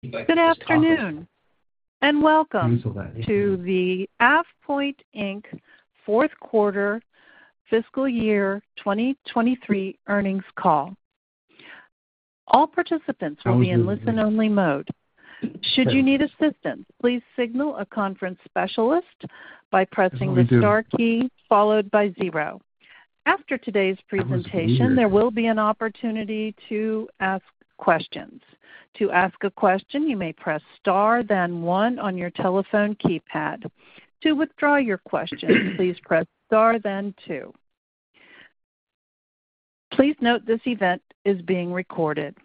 Good afternoon, and welcome to the AvePoint Inc. fourth quarter fiscal year 2023 earnings call. All participants will be in listen-only mode. Should you need assistance, please signal a conference specialist by pressing the star key followed by zero. After today's presentation, there will be an opportunity to ask questions. To ask a question, you may press star then one on your telephone keypad. To withdraw your question, please press star then two. Please note this event is being recorded.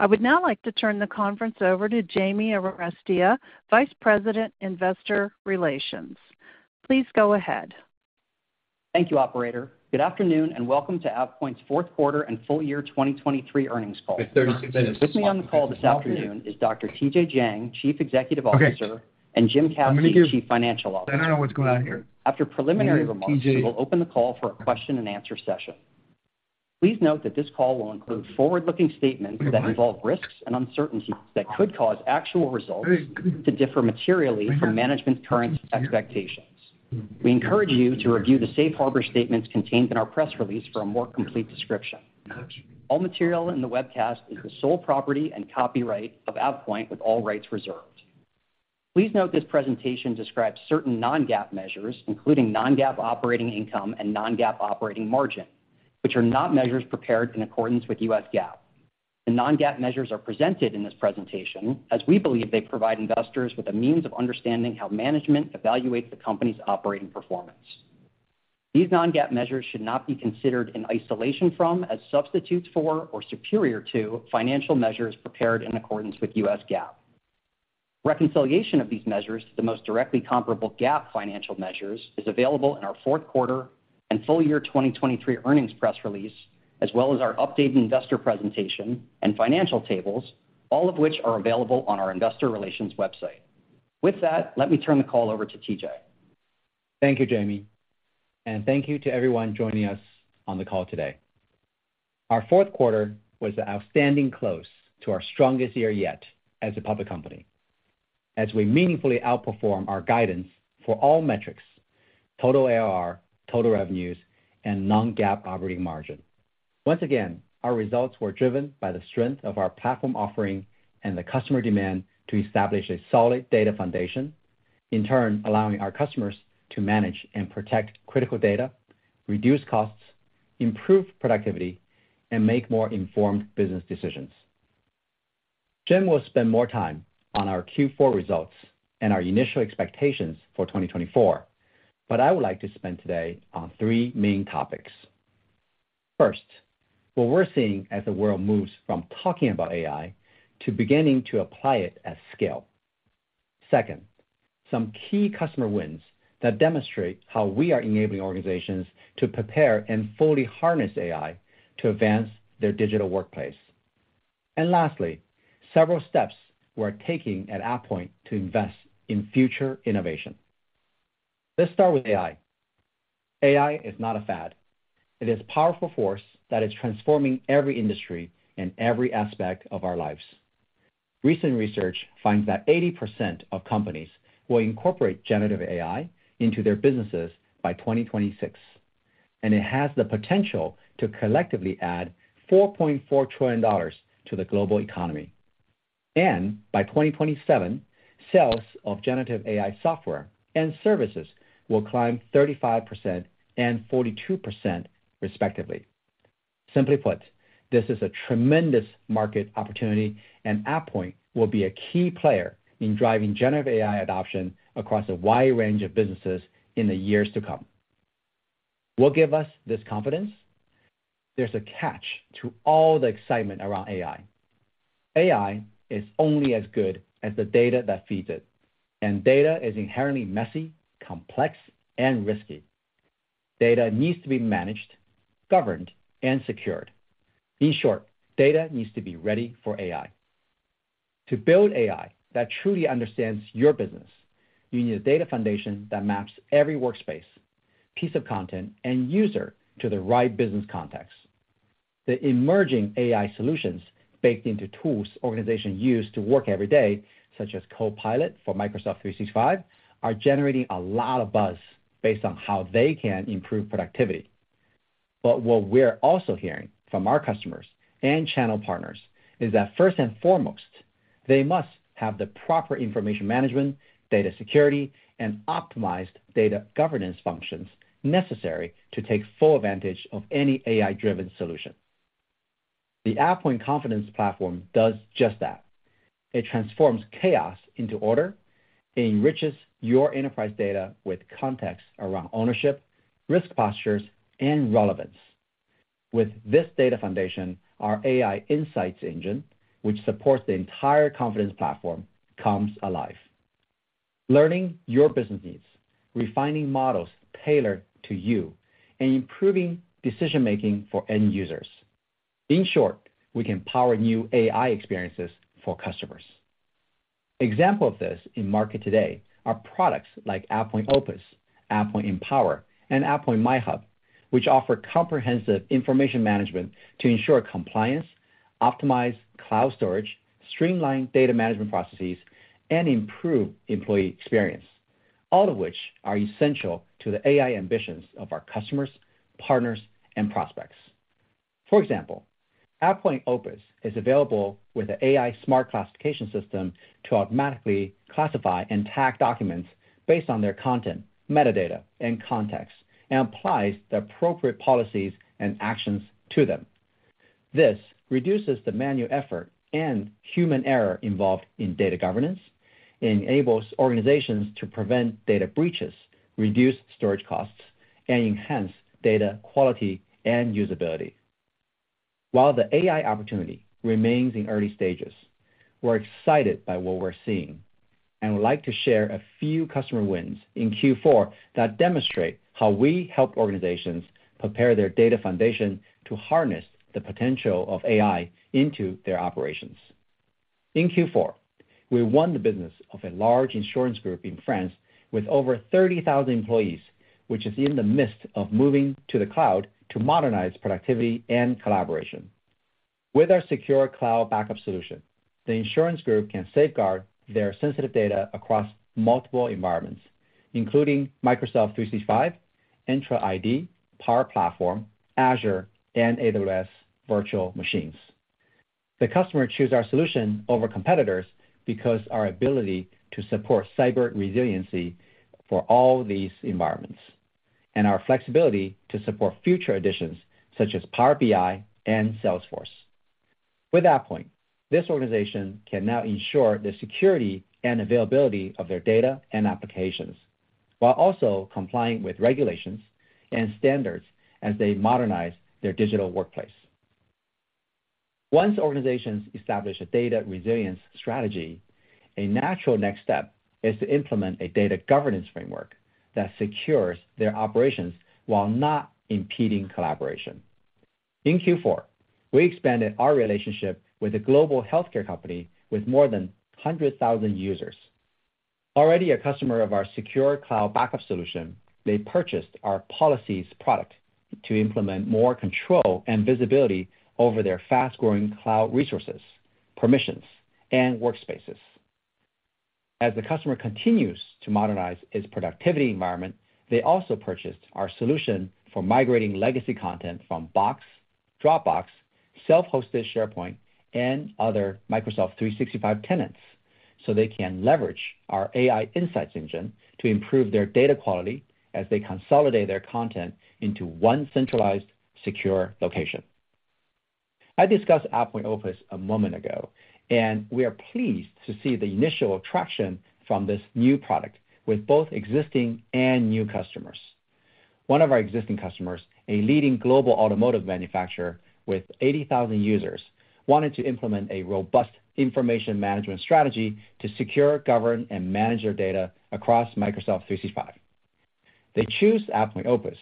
I would now like to turn the conference over to Jamie Arestia, Vice President, Investor Relations. Please go ahead. Thank you, operator. Good afternoon, and welcome to AvePoint's fourth quarter and full year 2023 earnings call. Joining me on the call this afternoon is Dr. TJ Jiang, Chief Executive Officer, and Jim Caci, Chief Financial Officer. After preliminary remarks, we will open the call for a question-and-answer session. Please note that this call will include forward-looking statements that involve risks and uncertainties that could cause actual results to differ materially from management's current expectations. We encourage you to review the safe harbor statements contained in our press release for a more complete description. All material in the webcast is the sole property and copyright of AvePoint, with all rights reserved. Please note this presentation describes certain non-GAAP measures, including non-GAAP operating income and non-GAAP operating margin, which are not measures prepared in accordance with U.S. GAAP. The non-GAAP measures are presented in this presentation as we believe they provide investors with a means of understanding how management evaluates the company's operating performance. These non-GAAP measures should not be considered in isolation from, as substitutes for, or superior to financial measures prepared in accordance with U.S. GAAP. Reconciliation of these measures to the most directly comparable GAAP financial measures is available in our fourth quarter and full year 2023 earnings press release, as well as our updated investor presentation and financial tables, all of which are available on our investor relations website. With that, let me turn the call over to TJ. Thank you, Jamie, and thank you to everyone joining us on the call today. Our fourth quarter was an outstanding close to our strongest year yet as a public company, as we meaningfully outperform our guidance for all metrics, total ARR, total revenues, and non-GAAP operating margin. Once again, our results were driven by the strength of our platform offering and the customer demand to establish a solid data foundation, in turn, allowing our customers to manage and protect critical data, reduce costs, improve productivity, and make more informed business decisions. Jim will spend more time on our Q4 results and our initial expectations for 2024, but I would like to spend today on three main topics. First, what we're seeing as the world moves from talking about AI to beginning to apply it at scale. Second, some key customer wins that demonstrate how we are enabling organizations to prepare and fully harness AI to advance their digital workplace. And lastly, several steps we're taking at AvePoint to invest in future innovation. Let's start with AI. AI is not a fad. It is a powerful force that is transforming every industry and every aspect of our lives. Recent research finds that 80% of companies will incorporate generative AI into their businesses by 2026, and it has the potential to collectively add $4.4 trillion to the global economy. And by 2027, sales of generative AI software and services will climb 35% and 42%, respectively. Simply put, this is a tremendous market opportunity, and AvePoint will be a key player in driving generative AI adoption across a wide range of businesses in the years to come. What give us this confidence? There's a catch to all the excitement around AI. AI is only as good as the data that feeds it, and data is inherently messy, complex, and risky. Data needs to be managed, governed, and secured. In short, data needs to be ready for AI. To build AI that truly understands your business, you need a data foundation that maps every workspace, piece of content, and user to the right business context. The emerging AI solutions baked into tools organizations use to work every day, such as Copilot for Microsoft 365, are generating a lot of buzz based on how they can improve productivity. But what we're also hearing from our customers and channel partners is that first and foremost, they must have the proper information management, data security, and optimized data governance functions necessary to take full advantage of any AI-driven solution. The AvePoint Confidence Platform does just that. It transforms chaos into order. It enriches your enterprise data with context around ownership, risk postures, and relevance. With this data foundation, our AI insights engine, which supports the entire Confidence Platform, comes alive, learning your business needs, refining models tailored to you, and improving decision-making for end users. In short, we can power new AI experiences for customers.... Example of this in market today are products like AvePoint Opus, AvePoint Empower, and AvePoint MyHub, which offer comprehensive information management to ensure compliance, optimize cloud storage, streamline data management processes, and improve employee experience, all of which are essential to the AI ambitions of our customers, partners, and prospects. For example, AvePoint Opus is available with an AI smart classification system to automatically classify and tag documents based on their content, metadata, and context, and applies the appropriate policies and actions to them. This reduces the manual effort and human error involved in data governance, enables organizations to prevent data breaches, reduce storage costs, and enhance data quality and usability. While the AI opportunity remains in early stages, we're excited by what we're seeing, and would like to share a few customer wins in Q4 that demonstrate how we help organizations prepare their data foundation to harness the potential of AI into their operations. In Q4, we won the business of a large insurance group in France with over 30,000 employees, which is in the midst of moving to the cloud to modernize productivity and collaboration. With our secure cloud backup solution, the insurance group can safeguard their sensitive data across multiple environments, including Microsoft 365, Entra ID, Power Platform, Azure, and AWS virtual machines. The customer choose our solution over competitors because our ability to support cyber resiliency for all these environments, and our flexibility to support future additions such as Power BI and Salesforce. With AvePoint, this organization can now ensure the security and availability of their data and applications, while also complying with regulations and standards as they modernize their digital workplace. Once organizations establish a data resilience strategy, a natural next step is to implement a data governance framework that secures their operations while not impeding collaboration. In Q4, we expanded our relationship with a global healthcare company with more than 100,000 users. Already a customer of our secure cloud backup solution, they purchased our Policies product to implement more control and visibility over their fast-growing cloud resources, permissions, and workspaces. As the customer continues to modernize its productivity environment, they also purchased our solution for migrating legacy content from Box, Dropbox, self-hosted SharePoint, and other Microsoft 365 tenants, so they can leverage our AI insights engine to improve their data quality as they consolidate their content into one centralized, secure location. I discussed AvePoint Opus a moment ago, and we are pleased to see the initial traction from this new product with both existing and new customers. One of our existing customers, a leading global automotive manufacturer with 80,000 users, wanted to implement a robust information management strategy to secure, govern, and manage their data across Microsoft 365. They choose AvePoint Opus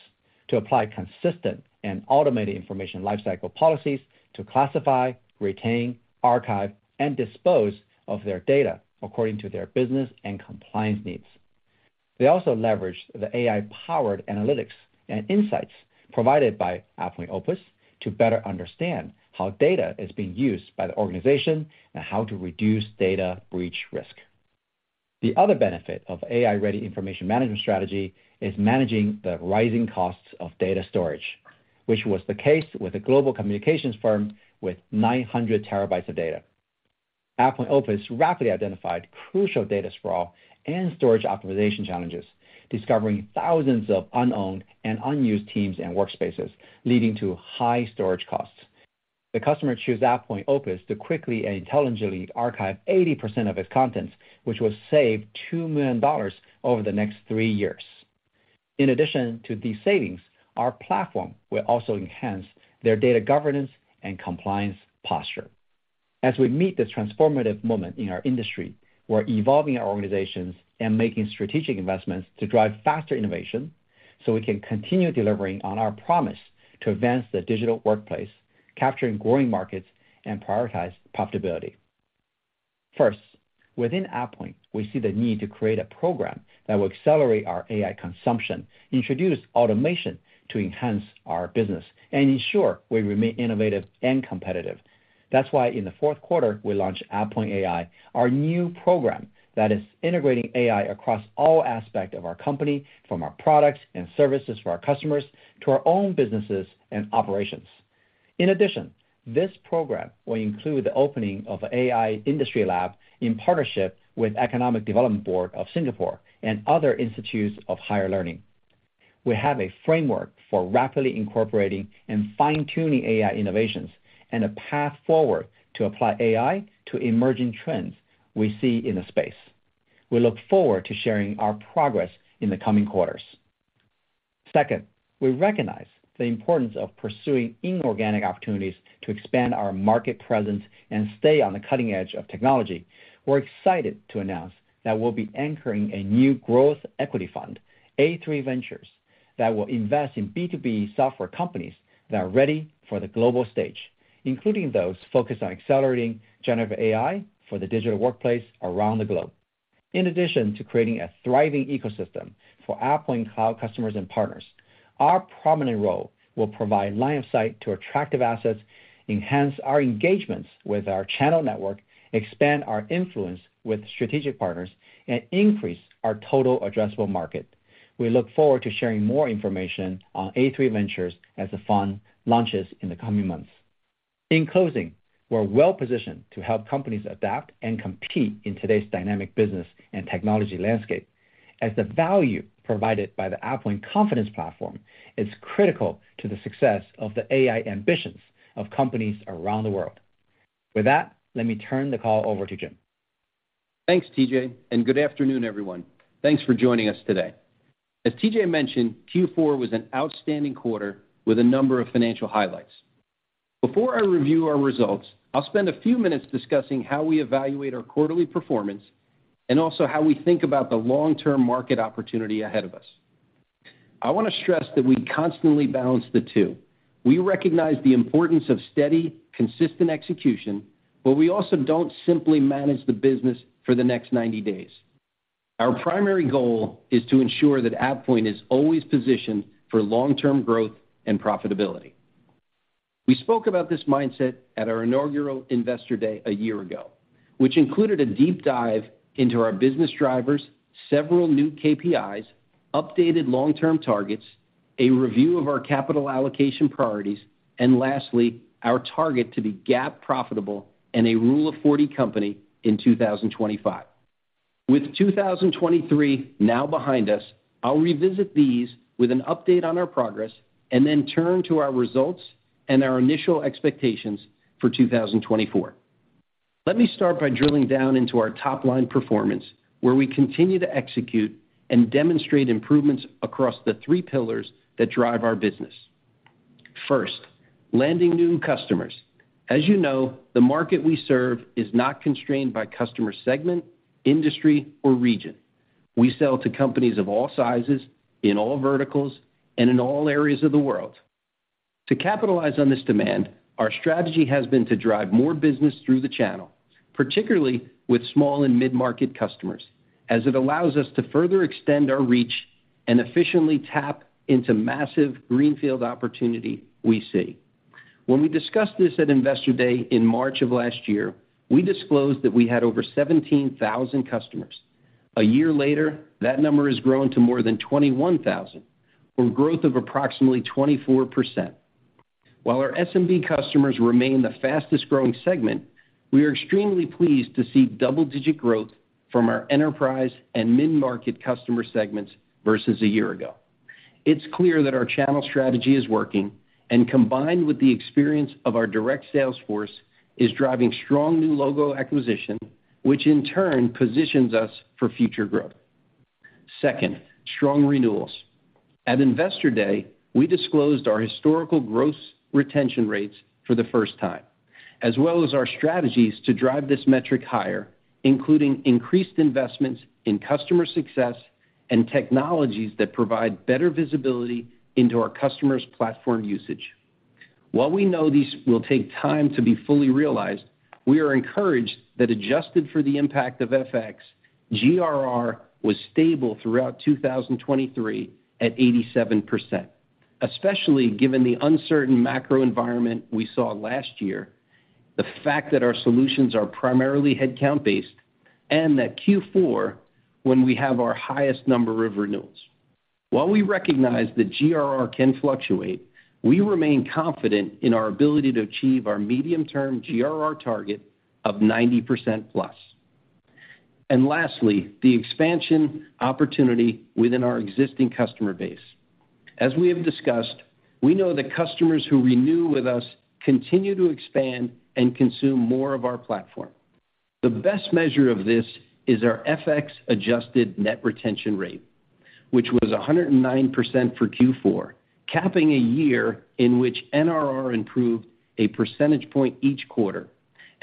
to apply consistent and automated information lifecycle policies to classify, retain, archive, and dispose of their data according to their business and compliance needs. They also leverage the AI-powered analytics and insights provided by AvePoint Opus to better understand how data is being used by the organization and how to reduce data breach risk. The other benefit of AI-ready information management strategy is managing the rising costs of data storage, which was the case with a global communications firm with 900 TB of data. AvePoint Opus rapidly identified crucial data sprawl and storage optimization challenges, discovering thousands of unowned and unused teams and workspaces, leading to high storage costs. The customer chose AvePoint Opus to quickly and intelligently archive 80% of its contents, which will save $2 million over the next 3 years. In addition to these savings, our platform will also enhance their data governance and compliance posture. As we meet this transformative moment in our industry, we're evolving our organizations and making strategic investments to drive faster innovation, so we can continue delivering on our promise to advance the digital workplace, capturing growing markets and prioritize profitability. First, within AvePoint, we see the need to create a program that will accelerate our AI consumption, introduce automation to enhance our business, and ensure we remain innovative and competitive. That's why, in the fourth quarter, we launched AvePoint AI, our new program that is integrating AI across all aspect of our company, from our products and services for our customers, to our own businesses and operations. In addition, this program will include the opening of an AI industry lab in partnership with Economic Development Board of Singapore and other institutes of higher learning. We have a framework for rapidly incorporating and fine-tuning AI innovations, and a path forward to apply AI to emerging trends we see in the space. We look forward to sharing our progress in the coming quarters. Second, we recognize the importance of pursuing inorganic opportunities to expand our market presence and stay on the cutting edge of technology. We're excited to announce that we'll be anchoring a new growth equity fund, A3 Ventures, that will invest in B2B software companies that are ready for the global stage, including those focused on accelerating generative AI for the digital workplace around the globe. In addition to creating a thriving ecosystem for AvePoint cloud customers and partners, our prominent role will provide line of sight to attractive assets, enhance our engagements with our channel network, expand our influence with strategic partners, and increase our total addressable market. We look forward to sharing more information on A3 Ventures as the fund launches in the coming months. In closing, we're well-positioned to help companies adapt and compete in today's dynamic business and technology landscape, as the value provided by the AvePoint Confidence Platform is critical to the success of the AI ambitions of companies around the world. With that, let me turn the call over to Jim. Thanks, TJ, and good afternoon, everyone. Thanks for joining us today. As TJ mentioned, Q4 was an outstanding quarter with a number of financial highlights. Before I review our results, I'll spend a few minutes discussing how we evaluate our quarterly performance, and also how we think about the long-term market opportunity ahead of us. I wanna stress that we constantly balance the two. We recognize the importance of steady, consistent execution, but we also don't simply manage the business for the next 90 days. Our primary goal is to ensure that AvePoint is always positioned for long-term growth and profitability. We spoke about this mindset at our inaugural Investor Day a year ago, which included a deep dive into our business drivers, several new KPIs, updated long-term targets, a review of our capital allocation priorities, and lastly, our target to be GAAP profitable and a Rule of 40 company in 2025. With 2023 now behind us, I'll revisit these with an update on our progress, and then turn to our results and our initial expectations for 2024. Let me start by drilling down into our top-line performance, where we continue to execute and demonstrate improvements across the three pillars that drive our business. First, landing new customers. As you know, the market we serve is not constrained by customer segment, industry, or region. We sell to companies of all sizes, in all verticals, and in all areas of the world. To capitalize on this demand, our strategy has been to drive more business through the channel, particularly with small and mid-market customers, as it allows us to further extend our reach and efficiently tap into massive greenfield opportunity we see. When we discussed this at Investor Day in March of last year, we disclosed that we had over 17,000 customers. A year later, that number has grown to more than 21,000, for growth of approximately 24%. While our SMB customers remain the fastest-growing segment, we are extremely pleased to see double-digit growth from our enterprise and mid-market customer segments versus a year ago. It's clear that our channel strategy is working, and combined with the experience of our direct sales force, is driving strong new logo acquisition, which in turn positions us for future growth. Second, strong renewals. At Investor Day, we disclosed our historical gross retention rates for the first time, as well as our strategies to drive this metric higher, including increased investments in customer success and technologies that provide better visibility into our customers' platform usage. While we know these will take time to be fully realized, we are encouraged that, adjusted for the impact of FX, GRR was stable throughout 2023 at 87%, especially given the uncertain macro environment we saw last year, the fact that our solutions are primarily headcount-based, and that Q4, when we have our highest number of renewals. While we recognize that GRR can fluctuate, we remain confident in our ability to achieve our medium-term GRR target of 90%+. And lastly, the expansion opportunity within our existing customer base. As we have discussed, we know that customers who renew with us continue to expand and consume more of our platform. The best measure of this is our FX-adjusted net retention rate, which was 109% for Q4, capping a year in which NRR improved a percentage point each quarter.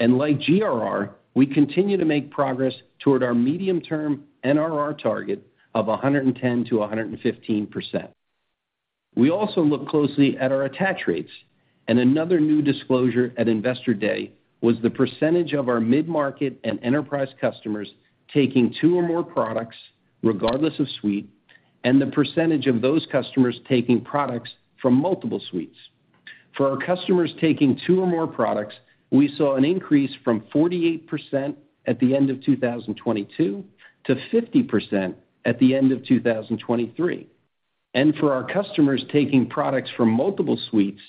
Like GRR, we continue to make progress toward our medium-term NRR target of 110%-115%. We also look closely at our attach rates, and another new disclosure at Investor Day was the percentage of our mid-market and enterprise customers taking two or more products, regardless of suite, and the percentage of those customers taking products from multiple suites. For our customers taking two or more products, we saw an increase from 48% at the end of 2022 to 50% at the end of 2023. For our customers taking products from multiple suites,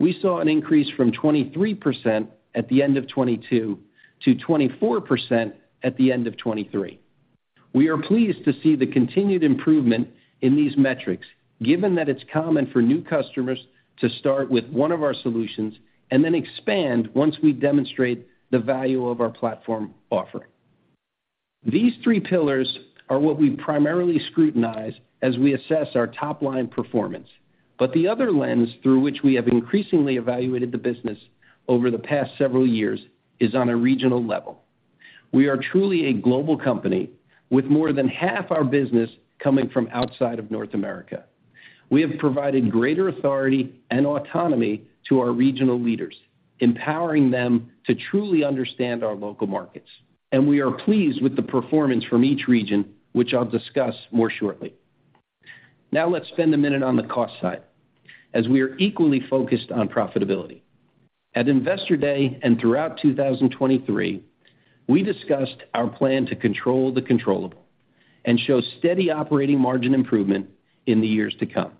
we saw an increase from 23% at the end of 2022 to 24% at the end of 2023. We are pleased to see the continued improvement in these metrics, given that it's common for new customers to start with one of our solutions and then expand once we demonstrate the value of our platform offering. These three pillars are what we primarily scrutinize as we assess our top-line performance, but the other lens through which we have increasingly evaluated the business over the past several years is on a regional level. We are truly a global company with more than half our business coming from outside of North America. We have provided greater authority and autonomy to our regional leaders, empowering them to truly understand our local markets, and we are pleased with the performance from each region, which I'll discuss more shortly. Now let's spend a minute on the cost side, as we are equally focused on profitability. At Investor Day and throughout 2023, we discussed our plan to control the controllable and show steady operating margin improvement in the years to come.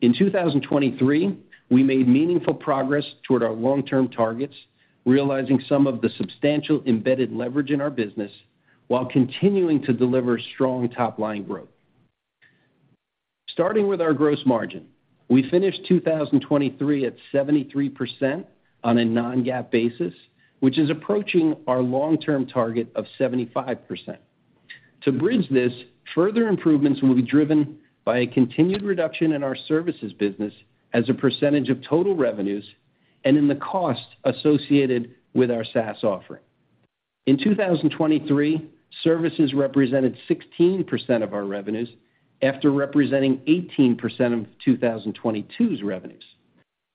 In 2023, we made meaningful progress toward our long-term targets, realizing some of the substantial embedded leverage in our business, while continuing to deliver strong top-line growth. Starting with our gross margin, we finished 2023 at 73% on a non-GAAP basis, which is approaching our long-term target of 75%. To bridge this, further improvements will be driven by a continued reduction in our services business as a percentage of total revenues and in the cost associated with our SaaS offering. In 2023, services represented 16% of our revenues, after representing 18% of 2022's revenues.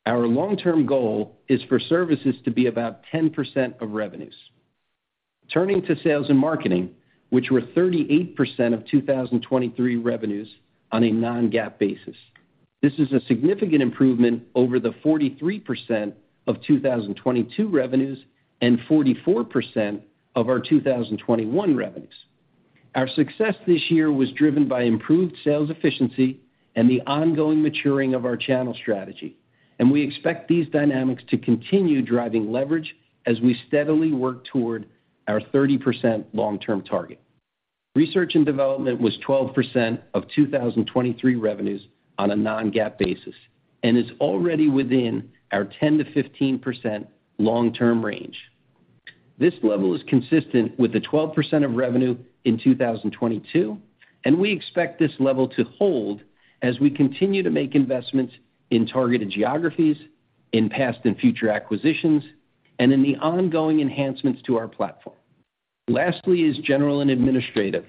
Our long-term goal is for services to be about 10% of revenues. Turning to sales and marketing, which were 38% of 2023 revenues on a non-GAAP basis. This is a significant improvement over the 43% of 2022 revenues and 44% of our 2021 revenues. Our success this year was driven by improved sales efficiency and the ongoing maturing of our channel strategy, and we expect these dynamics to continue driving leverage as we steadily work toward our 30% long-term target. Research and development was 12% of 2023 revenues on a non-GAAP basis and is already within our 10%-15% long-term range. This level is consistent with the 12% of revenue in 2022, and we expect this level to hold as we continue to make investments in targeted geographies, in past and future acquisitions, and in the ongoing enhancements to our platform. Lastly is general and administrative,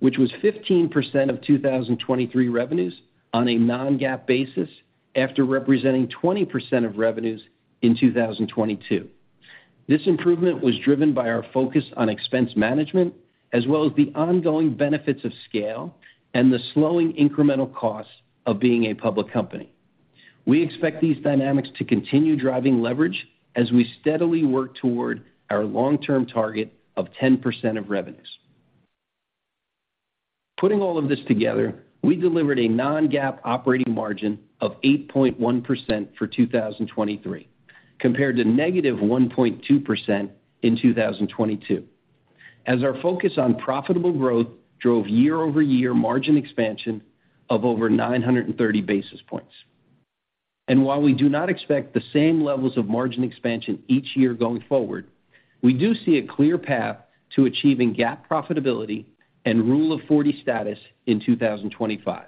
which was 15% of 2023 revenues on a non-GAAP basis after representing 20% of revenues in 2022. This improvement was driven by our focus on expense management, as well as the ongoing benefits of scale and the slowing incremental cost of being a public company. We expect these dynamics to continue driving leverage as we steadily work toward our long-term target of 10% of revenues. Putting all of this together, we delivered a non-GAAP operating margin of 8.1% for 2023, compared to -1.2% in 2022, as our focus on profitable growth drove year-over-year margin expansion of over 930 basis points. While we do not expect the same levels of margin expansion each year going forward, we do see a clear path to achieving GAAP profitability and Rule of Forty status in 2025.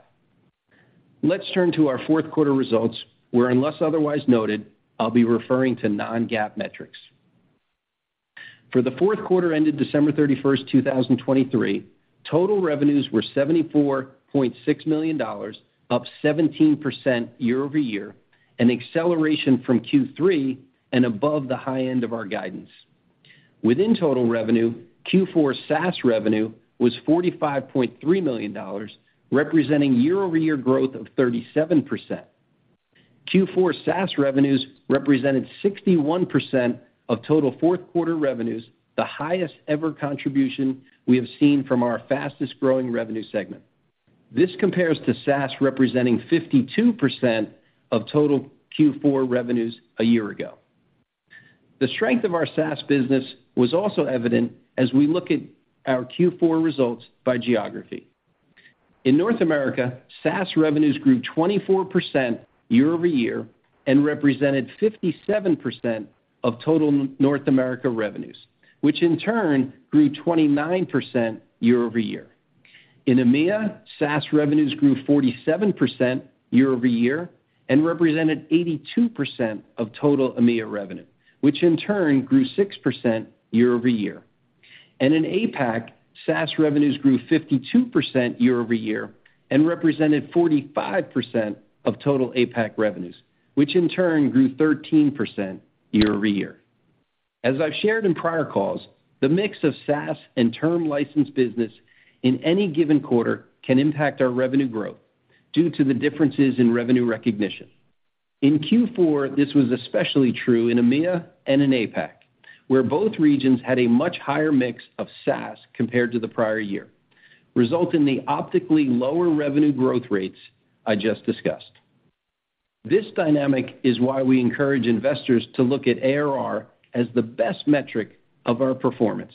Let's turn to our fourth quarter results, where unless otherwise noted, I'll be referring to non-GAAP metrics. For the fourth quarter ended December 31, 2023, total revenues were $74.6 million, up 17% year-over-year, an acceleration from Q3 and above the high end of our guidance. Within total revenue, Q4 SaaS revenue was $45.3 million, representing year-over-year growth of 37%. Q4 SaaS revenues represented 61% of total fourth quarter revenues, the highest ever contribution we have seen from our fastest-growing revenue segment. This compares to SaaS representing 52% of total Q4 revenues a year ago. The strength of our SaaS business was also evident as we look at our Q4 results by geography. In North America, SaaS revenues grew 24% year-over-year and represented 57% of total North America revenues, which in turn grew 29% year-over-year. In EMEA, SaaS revenues grew 47% year-over-year and represented 82% of total EMEA revenue, which in turn grew 6% year-over-year. In APAC, SaaS revenues grew 52% year-over-year and represented 45% of total APAC revenues, which in turn grew 13% year-over-year. As I've shared in prior calls, the mix of SaaS and term license business in any given quarter can impact our revenue growth due to the differences in revenue recognition. In Q4, this was especially true in EMEA and in APAC, where both regions had a much higher mix of SaaS compared to the prior year, resulting in the optically lower revenue growth rates I just discussed. This dynamic is why we encourage investors to look at ARR as the best metric of our performance.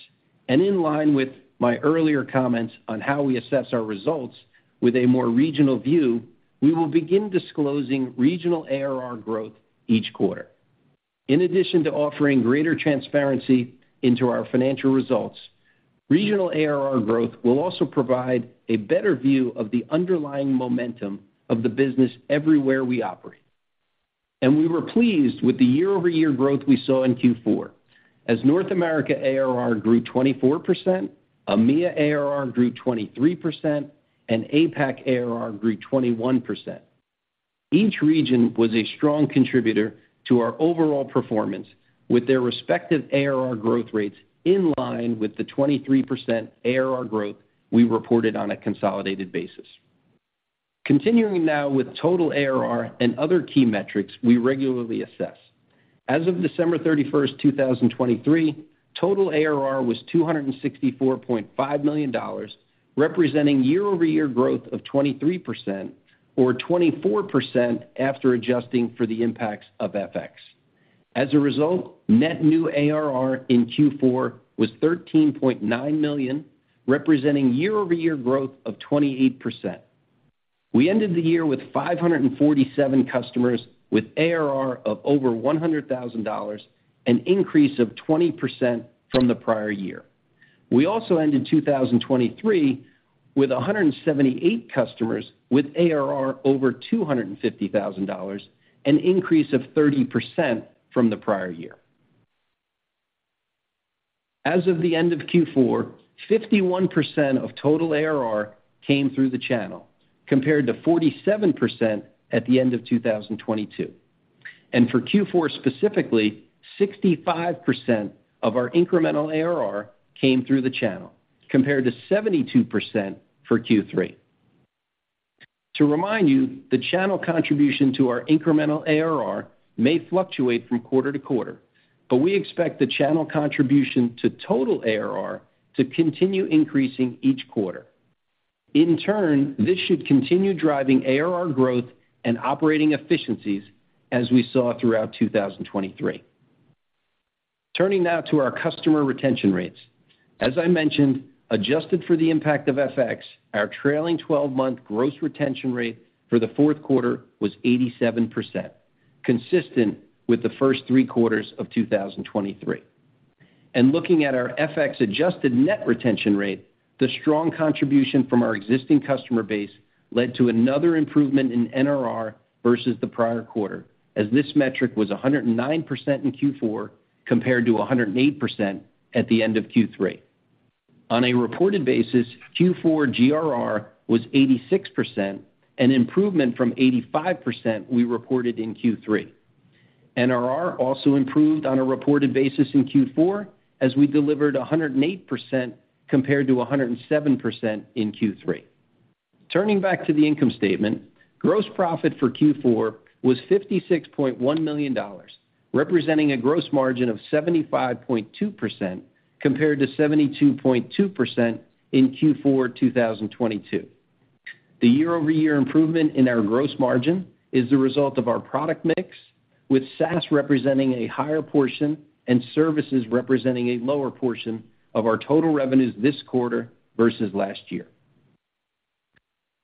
In line with my earlier comments on how we assess our results with a more regional view, we will begin disclosing regional ARR growth each quarter. In addition to offering greater transparency into our financial results, regional ARR growth will also provide a better view of the underlying momentum of the business everywhere we operate. We were pleased with the year-over-year growth we saw in Q4, as North America ARR grew 24%, EMEA ARR grew 23%, and APAC ARR grew 21%. Each region was a strong contributor to our overall performance, with their respective ARR growth rates in line with the 23% ARR growth we reported on a consolidated basis. Continuing now with total ARR and other key metrics we regularly assess. As of December 31, 2023, total ARR was $264.5 million, representing year-over-year growth of 23%, or 24% after adjusting for the impacts of FX. As a result, net new ARR in Q4 was $13.9 million, representing year-over-year growth of 28%. We ended the year with 547 customers, with ARR of over $100,000, an increase of 20% from the prior year. We also ended 2023 with 178 customers, with ARR over $250,000, an increase of 30% from the prior year. As of the end of Q4, 51% of total ARR came through the channel, compared to 47% at the end of 2022. And for Q4 specifically, 65% of our incremental ARR came through the channel, compared to 72% for Q3. To remind you, the channel contribution to our incremental ARR may fluctuate from quarter to quarter, but we expect the channel contribution to total ARR to continue increasing each quarter. In turn, this should continue driving ARR growth and operating efficiencies as we saw throughout 2023. Turning now to our customer retention rates. As I mentioned, adjusted for the impact of FX, our trailing twelve-month gross retention rate for the fourth quarter was 87%, consistent with the first three quarters of 2023. Looking at our FX-adjusted net retention rate, the strong contribution from our existing customer base led to another improvement in NRR versus the prior quarter, as this metric was 109% in Q4, compared to 108% at the end of Q3. On a reported basis, Q4 GRR was 86%, an improvement from 85% we reported in Q3. NRR also improved on a reported basis in Q4, as we delivered 108% compared to 107% in Q3. Turning back to the income statement. Gross profit for Q4 was $56.1 million, representing a gross margin of 75.2%, compared to 72.2% in Q4 2022. The year-over-year improvement in our gross margin is the result of our product mix, with SaaS representing a higher portion and services representing a lower portion of our total revenues this quarter versus last year.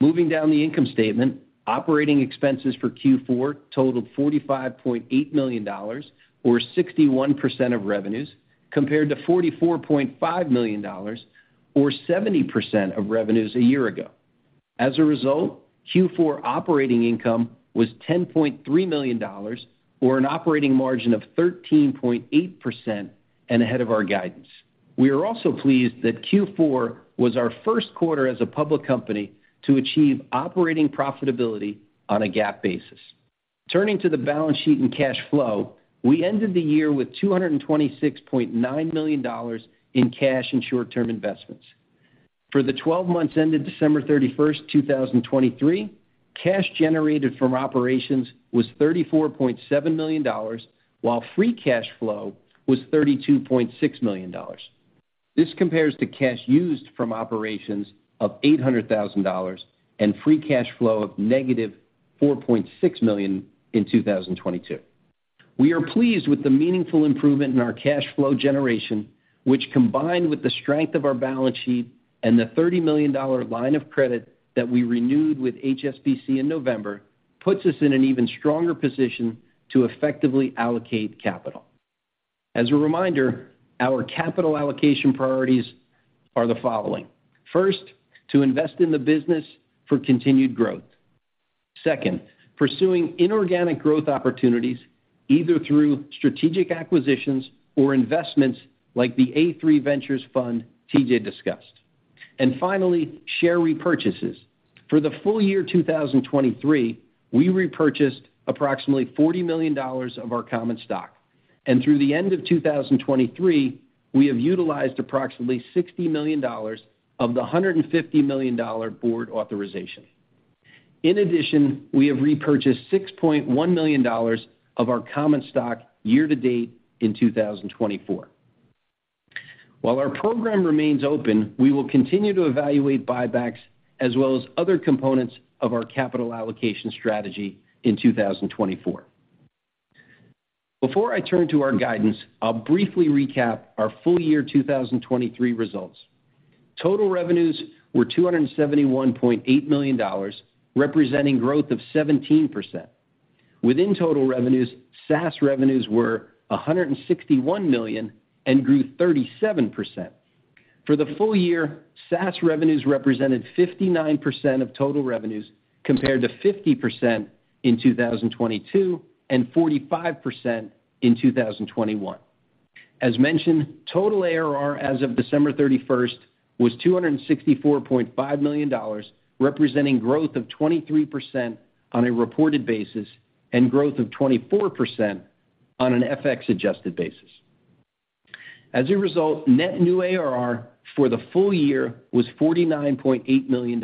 Moving down the income statement, operating expenses for Q4 totaled $45.8 million, or 61% of revenues, compared to $44.5 million, or 70% of revenues a year ago. As a result, Q4 operating income was $10.3 million, or an operating margin of 13.8% and ahead of our guidance. We are also pleased that Q4 was our first quarter as a public company to achieve operating profitability on a GAAP basis. Turning to the balance sheet and cash flow, we ended the year with $226.9 million in cash and short-term investments. For the 12 months ended December 31, 2023, cash generated from operations was $34.7 million, while free cash flow was $32.6 million. This compares to cash used from operations of $800,000 and free cash flow of -$4.6 million in 2022. We are pleased with the meaningful improvement in our cash flow generation, which, combined with the strength of our balance sheet and the $30 million line of credit that we renewed with HSBC in November, puts us in an even stronger position to effectively allocate capital. As a reminder, our capital allocation priorities are the following: First, to invest in the business for continued growth. Second, pursuing inorganic growth opportunities, either through strategic acquisitions or investments like the A3 Ventures fund TJ discussed. And finally, share repurchases. For the full year 2023, we repurchased approximately $40 million of our common stock, and through the end of 2023, we have utilized approximately $60 million of the $150 million board authorization. In addition, we have repurchased $6.1 million of our common stock year to date in 2024. While our program remains open, we will continue to evaluate buybacks as well as other components of our capital allocation strategy in 2024. Before I turn to our guidance, I'll briefly recap our full year 2023 results. Total revenues were $271.8 million, representing growth of 17%. Within total revenues, SaaS revenues were $161 million and grew 37%.... For the full year, SaaS revenues represented 59% of total revenues, compared to 50% in 2022, and 45% in 2021. As mentioned, total ARR as of December 31st was $264.5 million, representing growth of 23% on a reported basis, and growth of 24% on an FX adjusted basis. As a result, net new ARR for the full year was $49.8 million.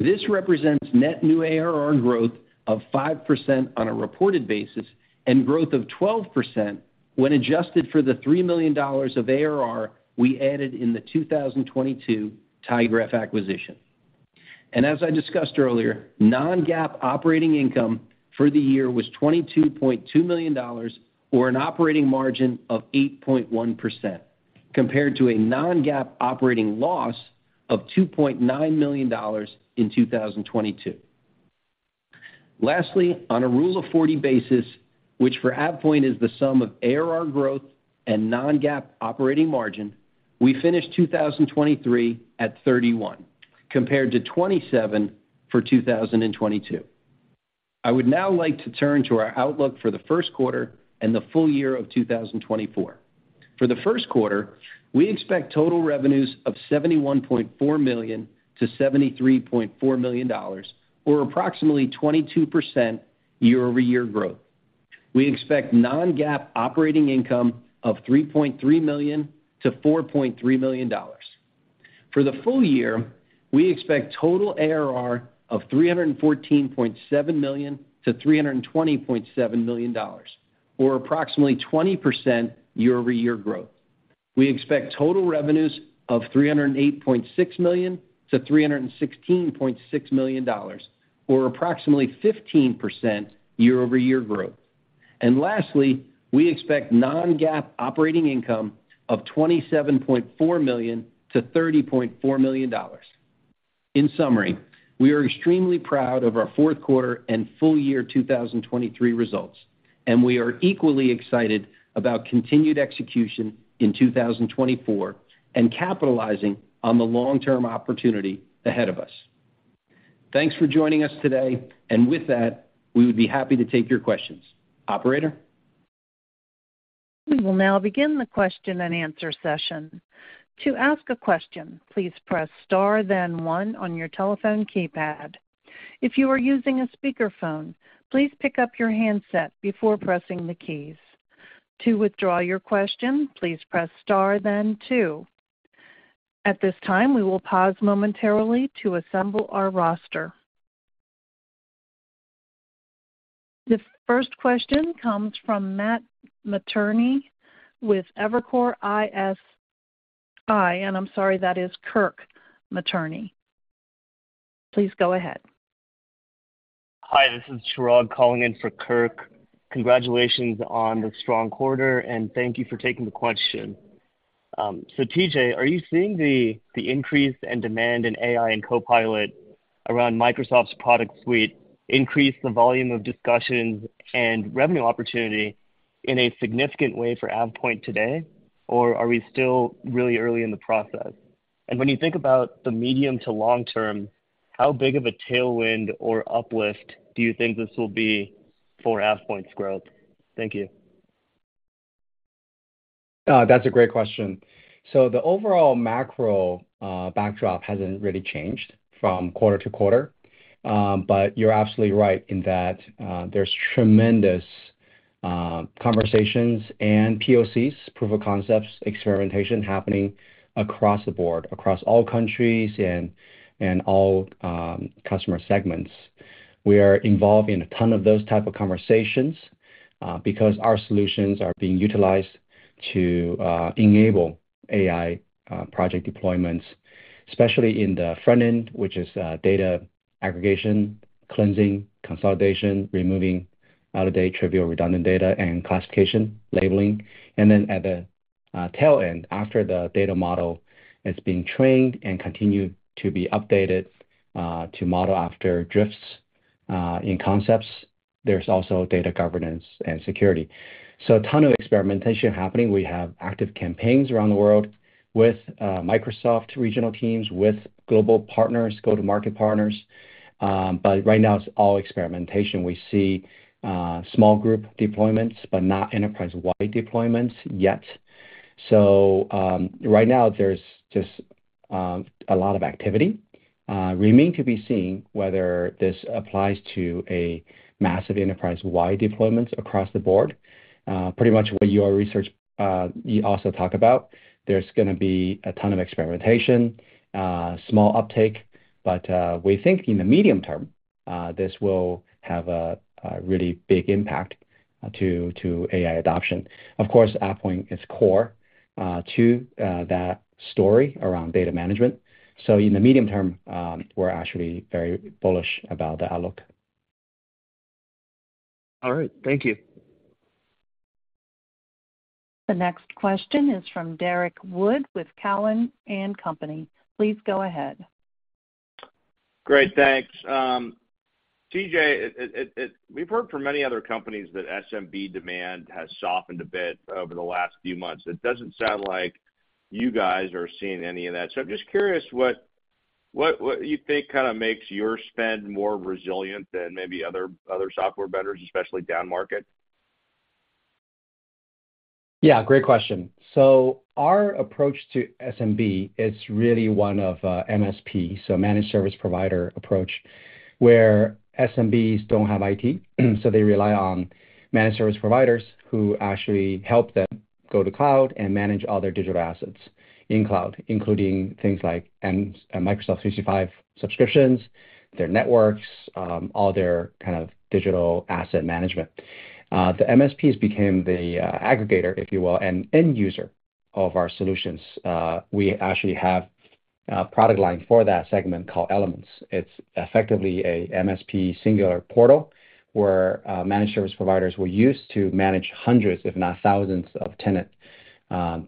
This represents net new ARR growth of 5% on a reported basis, and growth of 12% when adjusted for the $3 million of ARR we added in the 2022 tyGraph acquisition. As I discussed earlier, non-GAAP operating income for the year was $22.2 million, or an operating margin of 8.1%, compared to a non-GAAP operating loss of $2.9 million in 2022. Lastly, on a Rule of Forty basis, which for AvePoint is the sum of ARR growth and non-GAAP operating margin, we finished 2023 at 31, compared to 27 for 2022. I would now like to turn to our outlook for the first quarter and the full year of 2024. For the first quarter, we expect total revenues of $71.4 million-$73.4 million, or approximately 22% year-over-year growth. We expect non-GAAP operating income of $3.3 million-$4.3 million. For the full year, we expect total ARR of $314.7 million-$320.7 million, or approximately 20% year-over-year growth. We expect total revenues of $308.6 million-$316.6 million, or approximately 15% year-over-year growth. And lastly, we expect non-GAAP operating income of $27.4 million-$30.4 million. In summary, we are extremely proud of our fourth quarter and full year 2023 results, and we are equally excited about continued execution in 2024, and capitalizing on the long-term opportunity ahead of us. Thanks for joining us today. And with that, we would be happy to take your questions. Operator? We will now begin the question-and-answer session. To ask a question, please press star, then one on your telephone keypad. If you are using a speakerphone, please pick up your handset before pressing the keys. To withdraw your question, please press star then two. At this time, we will pause momentarily to assemble our roster. The first question comes from Matt Materne with Evercore ISI. I'm sorry, that is Kirk Materne. Please go ahead. Hi, this is Chirag calling in for Kirk. Congratulations on the strong quarter, and thank you for taking the question. So TJ, are you seeing the increase and demand in AI and Copilot around Microsoft's product suite increase the volume of discussions and revenue opportunity in a significant way for AvePoint today? Or are we still really early in the process? And when you think about the medium to long term, how big of a tailwind or uplift do you think this will be for AvePoint's growth? Thank you. That's a great question. So the overall macro backdrop hasn't really changed from quarter to quarter. But you're absolutely right in that there's tremendous conversations and POCs, proof of concepts, experimentation happening across the board, across all countries and all customer segments. We are involved in a ton of those type of conversations because our solutions are being utilized to enable AI project deployments, especially in the front end, which is data aggregation, cleansing, consolidation, removing out-of-date, trivial, redundant data, and classification, labeling. And then at the tail end, after the data model has been trained and continued to be updated to model after drifts in concepts, there's also data governance and security. So a ton of experimentation happening. We have active campaigns around the world with Microsoft regional teams, with global partners, go-to-market partners, but right now it's all experimentation. We see small group deployments, but not enterprise-wide deployments yet. So right now there's just a lot of activity. Remain to be seen whether this applies to a massive enterprise-wide deployments across the board. Pretty much what your research you also talk about. There's gonna be a ton of experimentation, small uptake, but we think in the medium term this will have a really big impact to AI adoption. Of course, AvePoint is core to that story around data management. So in the medium term, we're actually very bullish about the outlook. All right. Thank you. The next question is from Derrick Wood with Cowen and Company. Please go ahead.... Great, thanks. TJ, we've heard from many other companies that SMB demand has softened a bit over the last few months. It doesn't sound like you guys are seeing any of that. So I'm just curious what you think kind of makes your spend more resilient than maybe other software vendors, especially downmarket? Yeah, great question. So our approach to SMB is really one of MSP, so managed service provider approach, where SMBs don't have IT, so they rely on managed service providers, who actually help them go to cloud and manage all their digital assets in cloud, including things like Microsoft 365 subscriptions, their networks, all their kind of digital asset management. The MSPs became the aggregator, if you will, and end user of our solutions. We actually have a product line for that segment called Elements. It's effectively a MSP singular portal, where managed service providers will use to manage hundreds, if not thousands, of tenant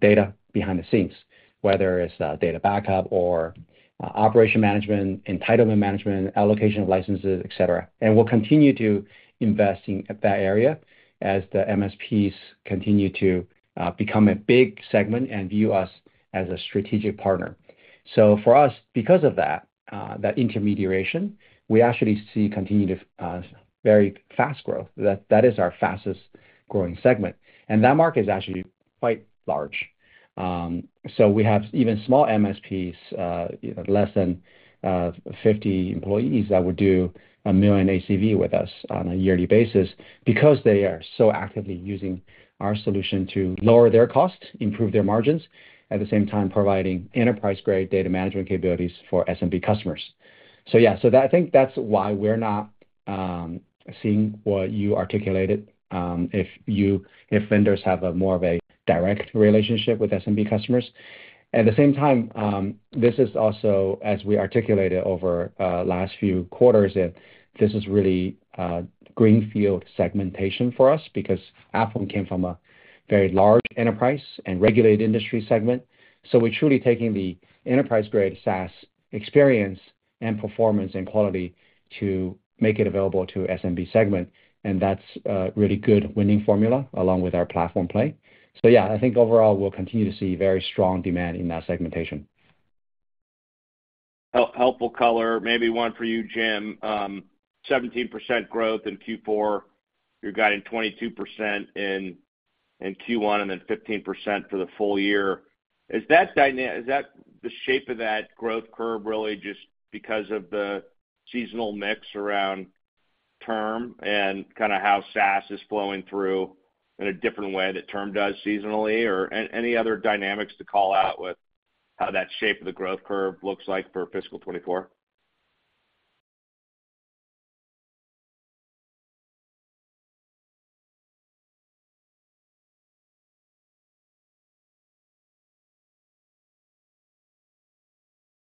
data behind the scenes, whether it's data backup or operation management, entitlement management, allocation of licenses, et cetera. We'll continue to invest in that area as the MSPs continue to become a big segment and view us as a strategic partner. So for us, because of that, that intermediation, we actually see continued very fast growth. That is our fastest-growing segment, and that market is actually quite large. So we have even small MSPs, you know, less than 50 employees that would do $1 million ACV with us on a yearly basis because they are so actively using our solution to lower their costs, improve their margins, at the same time providing enterprise-grade data management capabilities for SMB customers. So yeah, I think that's why we're not seeing what you articulated, if vendors have more of a direct relationship with SMB customers. At the same time, this is also, as we articulated over last few quarters, that this is really a greenfield segmentation for us because AvePoint came from a very large enterprise and regulated industry segment. So we're truly taking the enterprise-grade SaaS experience and performance and quality to make it available to SMB segment, and that's a really good winning formula, along with our platform play. So yeah, I think overall, we'll continue to see very strong demand in that segmentation. Helpful color. Maybe one for you, Jim. 17% growth in Q4. You're guiding 22% in Q1 and then 15% for the full year. Is that the shape of that growth curve really just because of the seasonal mix around term and kind of how SaaS is flowing through in a different way that term does seasonally? Or any other dynamics to call out with how that shape of the growth curve looks like for fiscal 2024?...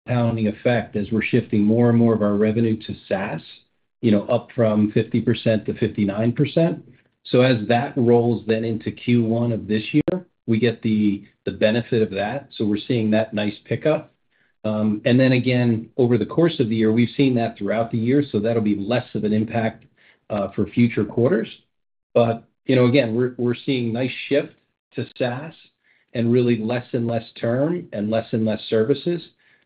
compounding effect as we're shifting more and more of our revenue to SaaS, you know, up from 50% to 59%. So as that rolls then into Q1 of this year, we get the, the benefit of that, so we're seeing that nice pickup. And then again, over the course of the year, we've seen that throughout the year, so that'll be less of an impact for future quarters. But, you know, again, we're, we're seeing nice shift to SaaS and really less and less term and less and less services.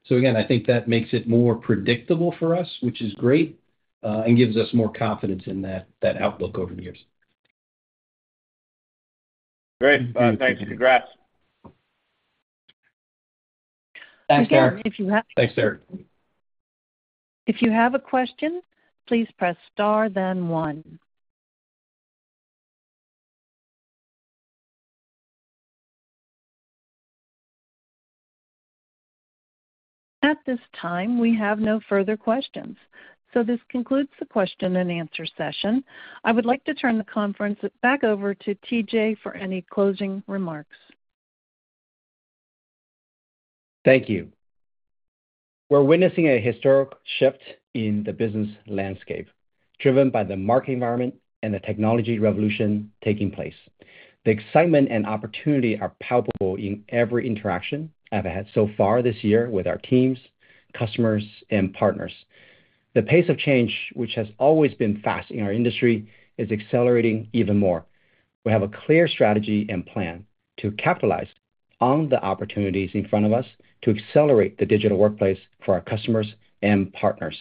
So again, I think that makes it more predictable for us, which is great, and gives us more confidence in that, that outlook over the years. Great. Thanks, congrats. Thanks, sir. Again, if you have- Thanks, sir. If you have a question, please press star, then one. At this time, we have no further questions, so this concludes the question-and-answer session. I would like to turn the conference back over to TJ for any closing remarks. Thank you. We're witnessing a historic shift in the business landscape, driven by the market environment and the technology revolution taking place. The excitement and opportunity are palpable in every interaction I've had so far this year with our teams, customers, and partners. The pace of change, which has always been fast in our industry, is accelerating even more. We have a clear strategy and plan to capitalize on the opportunities in front of us to accelerate the digital workplace for our customers and partners,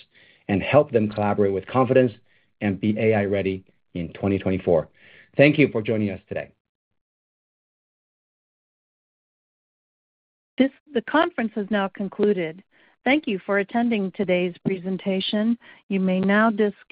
and help them collaborate with confidence and be AI-ready in 2024. Thank you for joining us today. The conference has now concluded. Thank you for attending today's presentation. You may now dis-